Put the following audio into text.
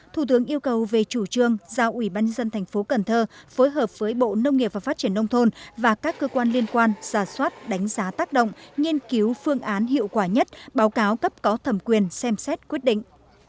thủ tướng yêu cầu về chủ trương giao ủy ban dân thành phố cần thơ phối hợp với bộ nông nghiệp và phát triển nông thôn và các cơ quan liên quan giả soát đánh giá tác động nghiên cứu phương án hiệu quả nhất báo cáo cấp có thẩm quyền xem xét quyết định